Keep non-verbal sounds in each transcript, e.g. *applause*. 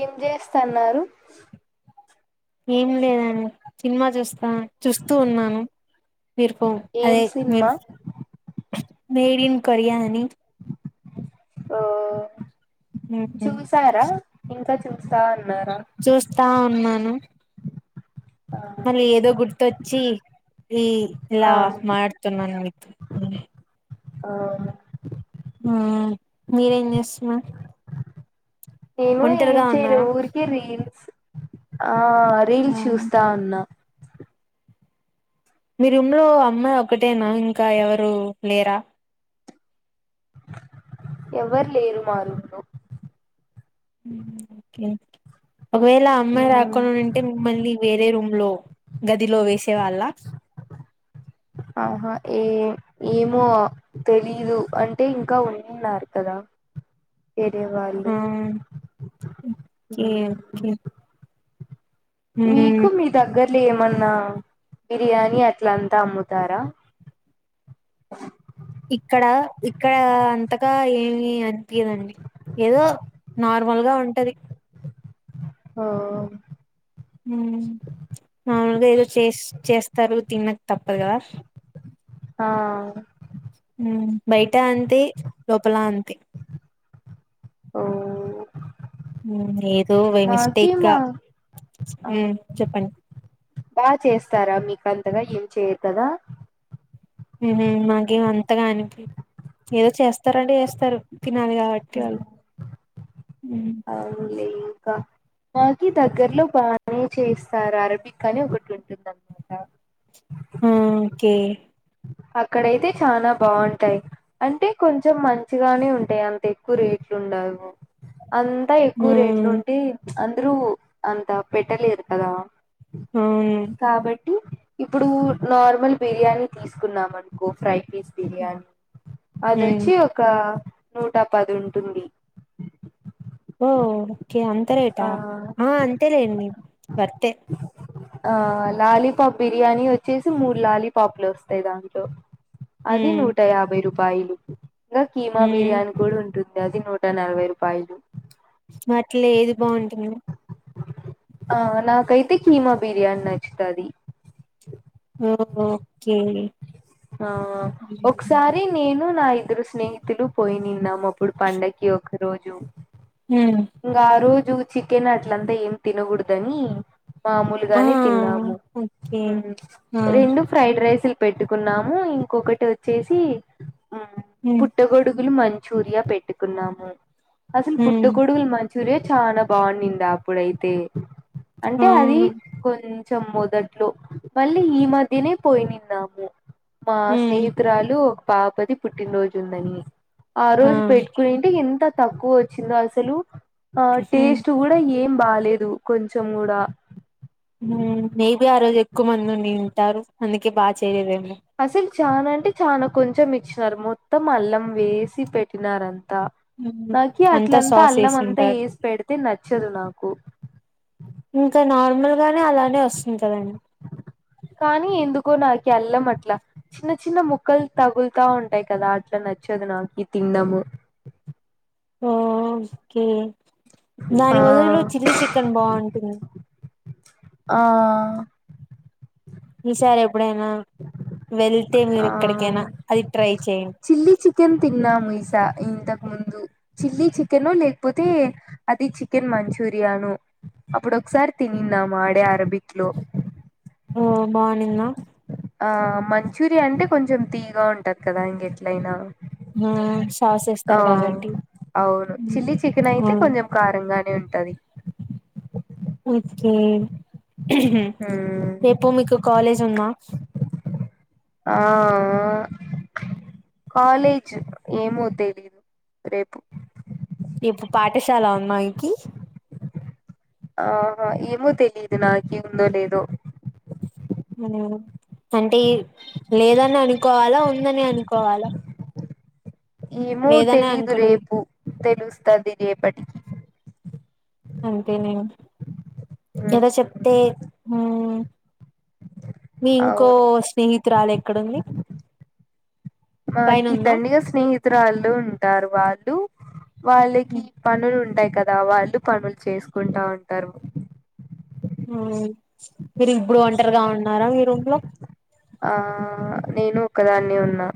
ఏం చేస్తన్నరు ఏం లేదండి సినిమా చూస్తా చూస్తూ ఉన్నాను నిర్కో ఏం అదే సినిమా మిమ్స్ మీడియం కోరిగానని ఓ చూసారా ఇంకా చూసాను చూస్తా ఉన్నాను మలి ఏదో గుర్తొచ్చి ఈ ఆ లా మాడుతున్నాను మీతో ఆహ ఆ మీరేం చేస్తున్నారు నేను ఏం ఒంటరిగా చేయలే ఉన్నారా ఊరికే రీల్స్ ఆ రీల్స్ చూస్తా ఉన్నా మీ రూంలో అమ్మాయి ఒకటేనా ఇంకా ఎవరు లేరా ఎవ్వరు లేరు మా రూంలో కే ఒకవేళ ఆ అమ్మాయి మ్మ్ రాకుండి ఉంటే మిమ్మల్ని వేరే రూమ్ లో గదిలో వేసే వాళ్ళ ఆహా ఏ ఏమో తెలీదు అంటే ఇంకా ఉన్నారు కదా వేరే వాళ్ళు ఊ ఓకే మీకు ఓకే మీ దగ్గర ఇట్ల ఏమన్నా బిర్యానీ అట్ల అంతా అమ్ముతారా *unintelligible* ఇక్కడ ఇక్కడ అంతగా ఏమి అనిపియదండి ఏదో నార్మల్గా ఉంటది ఓ ఊ మమ్ములు గా ఏదో చేస్ చేస్తారు తినక తప్పదు కదా ఆ ఊ బయట అంతే లోపల అంతే ఓ ఏదో బై మాకి మా మిస్టేక్గా ఉ చెప్పండి బా చేస్తారా మీకంతగా ఏం చేయరు కదా ఊహు మాకేం అంతగా అనిపియ్ ఏదో చేస్తారంటే చేస్తారు తినాలి కాబట్టి వాళ్ళు హ్మ్. అగులే ఇంకా మాకీ దగ్గర్లో బానే చేస్తారు అరబిక్ అని ఒకటి ఉంటుందన్నమాట ఆ ఓకే అక్కడయితే చానా బాగుంటాయి అంటే కొంచెం మంచిగానే ఉంటాయి అంత ఎక్కువ రేట్లు ఉండదు అంతా ఎక్కువ రేట్లు హ్మ్. ఉంటే అందరూ అంత పెట్టలేరు కదా అవును కాబట్టి ఇప్పుడు నార్మల్ బిర్యానీ తీసుకున్నాం అనుకో ఫ్రై పీస్ బిర్యానీ అదొచ్చి ఒక నూట పదింటుంది ఓ ఓకే అంత ఆ రేటా ఆ అంతేలేండి వర్తే ఆ లాలీపాప్ బిర్యానీ వచ్చేసి మూడు లాలీపాప్లు వస్తాయి దాంట్లో అది హ్మ్. నూట యాభై రూపాయలు ఇంకా కీమా హ్మ్. బిర్యానీ కూడా ఉంటుంది గది నూట నలభై రూపాయలు వాటిలో ఏది బాగుంటుంది ఆ నాకైతే కీమా బిర్యానీ నచ్చుతాది ఓ ఓకే ఆ ఒకసారి నేను నా ఇద్దరు స్నేహితులు పోయి నిన్నాము. ఇప్పుడు పండక్కి ఒక రోజు హ్మ్ ఇంగ ఆ రోజు చికెన్ అట్లంతా ఏం తినగూడదని ఆ మామూలుగానే తిన్నాము ఓకే ఆ రెండు ఫ్రైడ్ రైసులు పెట్టు కున్నాము ఇంకొకటి వచ్చేసి హ్మ్ పుట్టగొడుగ్ కెన్ మంచూరియా పెట్టుకున్నాము. అసలు హ్మ్ పుట్టుకొడుగులు మం చూర్య చాలా బావున్నిందా అప్పుడైతే అంటే అది అవును కొన్ చెం మొదట్లో మళ్ళీ ఈ మధ్యనే పోయి నిన్నాము. మా హ్మ్ స్నేహితురాలు ఒక పాపది పుట్టినరోజు ఉందని ఆ రోజు పెట్టుకునింటే ఎంత తక్కువొచ్చిందో అసలు. ఆ హ్మ్ టేస్ట్ గూడ ఏం బాలేదు కొంచెం గూడా. తారు అందుకే బాగా చేయలేదేమో చాలా అంటే చాల కొంచెం ఇచ్చినారు. మొత్తం అల్లం వేసి పెట్టినారు అం తా హ్మ్ నాకి అంతా అట్లంతా సాస్ అల్లం అంతా ఏసింటారు వేసి పెడితే నచ్చదు నాకు. ఇంకా నార్మల్ గానే అలానే వస్తుంది కదండి. కి అల్లం అట్లా చిన్న చిన్న ముక్కలు తగులుతా ఉంటాయి కదా అట్లా నచ్చదు నాకు ఈ తిండము ఓ కే ఆ దాని బదులు చిల్లీ చికెన్ బావుంటుంది. ఆ ఈసారి ఎప్పుడైనా వెళ్తే మీరు ఆ ఎక్కడికైనా అది ట్రై చేయండి. చిల్లీ చికెన్ తిన్నాము ఇసా ఇంతకు ముందు చిల్లీ చికెనో లేకపోతే అది చికెన్ మంచూరియానో అప్పుడొకసారి తినిన్ న్నాము ఆడే అరబి ఓ బావున్నిందా ఆ మంచూరియా అంటే కొంచెం తియ్యగా ఉంటది కదా ఇంగెట్లయిన హూమ్ సాస్ ఏస్తరు కాబట్టి అవును చిల్లీ చికెన్ అయితే అవును కొంచెం కారంగానే ఉంటది. అ కే మ్మ్ రేపు మీకు కాలేజ్ ఉందా? ఆఆ కాలేజ్ ఏమో తెలీదు రేపు రేపు పాఠశాల ఉందా మీకి? ఆహ ఏమో తెలీదు నాకి ఉందో లేదో అంటే లేదని అనుకోవాలా ఉందని అనుకోవాలా ఏమో లేదనే తెలీదు అనుకున్నా రేపు తెలుస్తది రేపటికి ఎద చెప్తే మ్మ్ మీ ఇంకో అవును స్నేహితురాలు ఎక్కడుంది? పైన మాకి ఉందా దండిగా స్నే హితురాళ్లు ఉంటారు వాళ్ళు వాళ్ళకి పనులు ఉంటాయి. కదా వాళ్ళు పనులు చేసుకుంటా ఉంటారు హుమ్ మీరు ఇప్పుడు ఒంటరిగా ఉన్నారా మీ రూమ్ లో? ఆ నేను ఒక్కదాన్నే ఉన్నా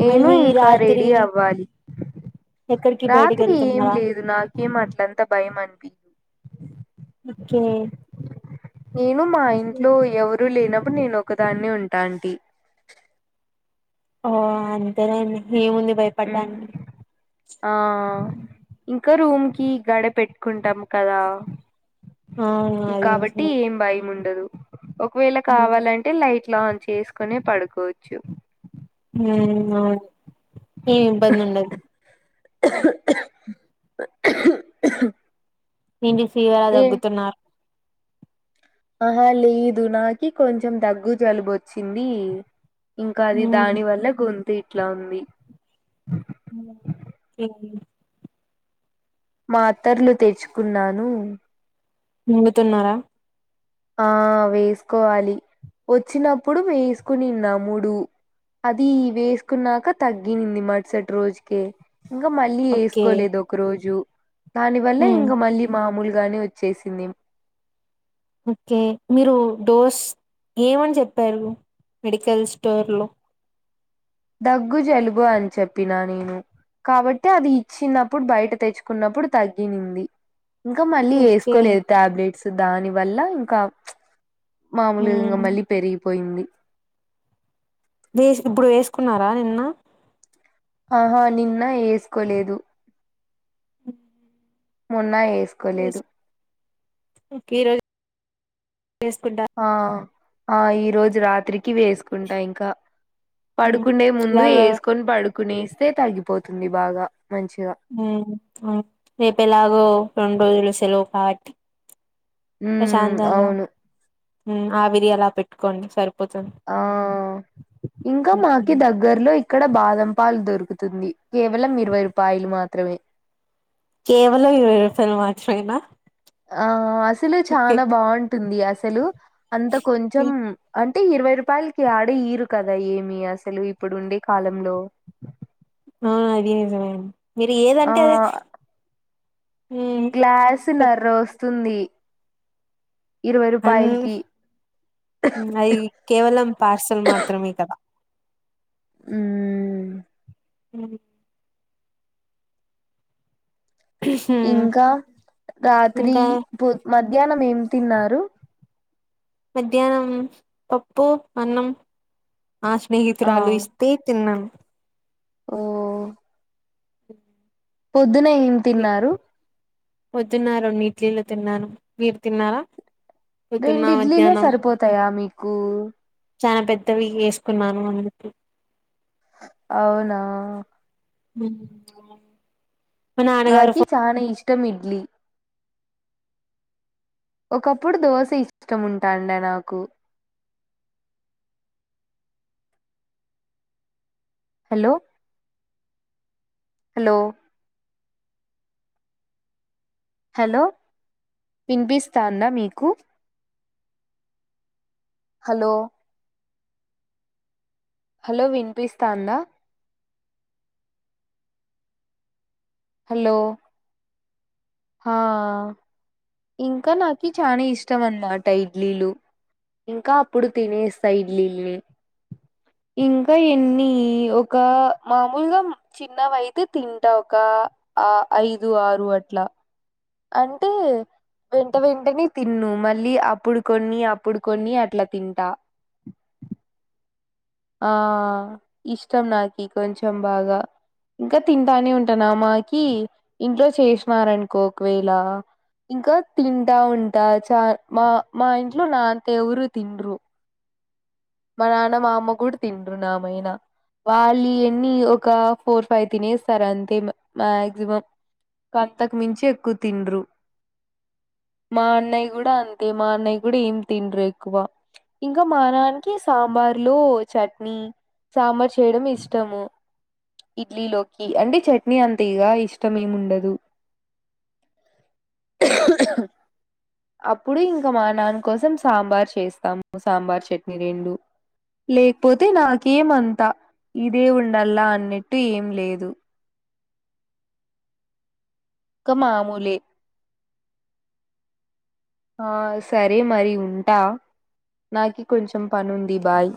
నేను మళ్ళీ ఇంకా రాత్రి రెడీ అవ్వాలి. ఎక్కడికి బయటికి రాత్రి ఏం వెళ్తున్నారా లేదు నాకేం అట్లంత భయం అనిపి ఒకే నేను మా ఇంట్లో ఎవరు లేనప్పుడు నేను ఒక్కదాన్నే ఉంటాంటి. ఓ అంతేలేండి. ఆ ఇంకా రూమ్ చ్ కీ గడ పెట్టుకుంటాం కదా అవును అది కాబట్టి నిజమే ఏం భయం ఉం డదు ఒకవేళ ఉమ్ కావాలంటే లైట్లు ఆన్ చేసుకునే పడుకోవచ్చు. ఉమ్ అవున ఏం ఇబ్బంద ఉండదు *inaudible* ఇం ఫీవర్ ర ఏ తగ్గుతున్నారు ఆహా లేదు నాకి కొంచెం దగ్గు జలుబు వచ్చింది ఇంకా అది హ్మ్. దాని వల్ల గొంతు ఇట్లా ఉంది స మాత్తర్లు తెచ్చుకున్నాను మింగుతునరా ఆ వేసుకోవాలి వచ్చినప్పుడు వేస్కోనిన్నా మూడు అది వేసుకున్నాక తగ్గనింది మరుసటి రోజుకే ఇంకా మళ్ళీ ఓకే వేసుకోలేదు ఒక రోజు దాని వల్ల ఉమ్ ఇంక మళ్ళీ మామూలుగానే వచ్చేసింది ఓకే మీరు డోస్ ఏమని చెప్పారు? మెడికల్ స్టోర్ లో దగ్గు జలుబు అని చెప్పినా నేను కాబట్టి అది ఇచ్చినప్పుడు బయట తెచ్చుకున్నప్పుడు తగ్గినింది ఇంకా మళ్ళీ ఓకే వేసుకోలేదు టాబ్లెట్స్ దాని వల్ల ఇంకా మాములుగా ఉమ్ మళ్ళీ పెరిగిపోయింది వేస్ ఇప్పుడు వేసుకున్నారా నిన్న ఆహా నిన్న వేసుకోలేదు *inaudible* మొన్నా వేసుకోలేదు ఈ రోజు వేసుకుంటా ఆ ఆ ఈ రోజు రాత్రి కి వేసుకుంటా ఇంకా ఉమ్ పడుకుండే ముందు ఇలాగా వేసుకొని పడుకునే ఆస్తే తగ్గిపోతు తుంది బాగా మంచిగా రేపు ఎలాగో రెండు రోజులు సెలవు కాబట్టి ఉ ప్రశాంతంగా అవును ఆవిరి అలా పెట్టుకోండి సరిపో ఆ ఇంకా మాకి ఉమ్. దగ్గర్లో ఇ ఇక్కడ బాదం పాలు దొరుకుతుంది కేవలం ఇరవై రూపాయలు మాత్రమే కేవలం ఇరవై రూపాయలు మాత్రమేనా ఆ అసలు ఓకే చాలా బాగుంటుంది అసలు అంత కొంచెం ఉమ్, అ అంటే ఇరవై రూపాయలకి ఆడ ఈరు కదా ఏమి అసలు ఇప్పుడు ఉండే కాలంలో ఆ అది నిజమే మీరు ఏదంటే అదే ఉమ్ గ్లాసు చెప్ నర్రోస్తుంది ఆన్ ఐ కేవలం పార్సల్ మాత్రమే కదా మామ్ అ ఉమ్, ఇంకా రాత్రి ఇంకా పో మధ్యాహ్నం ఏం తిన్నారు మధ్యాహ్నం పప్పు అన్నం నా స్నేహితురాలు ఇస్తే తిన్నాను ఓ పొద్దునే ఏం తిన్నారు పోద్దున్న రెండు ఇడ్లీలు తిన్నాను మీరు తిన్నారా పొద్దున్న రెండు ఇడ్లీలే మధ్యాహ్నం సరిపోతాయా మీకు చాల పెద్దవి వేసుకున్నాను అందుక అవునా ఉమ్. మా నాన్నగారు నాకీ చానా ఇష్టం ఇడ్లీ ఒకప్పుడు దోశ ఇష్టముంటాండే నాకు *inaudible* హలో హలో హలో వినిపిస్తాందా మీకు హలో హలో వినిపిస్తాందా హలో ఆ ఇంకా నాకి చానా ఇష్టం అన్నమాట ఇడ్లీలు ఇంకా అప్పుడు తినేస్త ఇడ్లీనీ ఇంకా ఎన్ని ఒక మామూలుగా చిన్నవైతే తింటా ఒక ఆ ఐదు ఆరు అట్ల అంటే వెంట వెంటనే తిన్ను మళ్ళీ అప్పుడు కొన్ని అప్పుడు కొన్ని అట్లా తింటా *inaudible* ఆ ఇష్టం నాకి కొంచెం బాగా ఇంకా తింటానే ఉంటానా మాకి ఇంట్లో చేసినారనుకో ఒకవేళ ఇంకా తింటా ఉంటా చ మా మా ఇంట్లో నాంత ఎవరు తినర్రు మా నాన్న మా అమ్మ కూడ తినర్రు నామైనా వాళ్ళు ఎన్ని ఒక ఫోర్ ఫైవ్ తినేస్తారు అంతే మాగ్జిమమ్ అంతకు మించి ఎక్కువ తినర్రు మా అన్నయ గూడా అంతే మా అన్నయ్య గూడా ఏం తినర్రు ఎక్కువ ఇంకా మానాన్నకి సాంబార్లు చట్నీ సాంబార్ చేయడం ఇష్టము ఇడ్లీలోకి అంటే చట్నీ అంత ఇగా ఇష్టం ఏమిండదు *inaudible* అప్పుడు ఇంకా మా నాన్న కోసం సాంబార్ చేస్తాము సాంబార్ చట్నీ రెండు *inaudible* లేకపోతే నాకేమంతా ఇదే ఉండల్లా అన్నట్టు ఏం లేదు ఇంక మామూలే ఆ సరే మరి ఉంటా నాకి కొంచెం పనుంది బాయ్